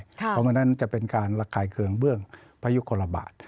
เพราะฉะนั้นจะเป็นการระคายเคืองเบื้องพยุคลบาท